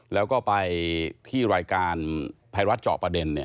แล้วก็ไปที่รายการไทยรัฐเจาะประเด็น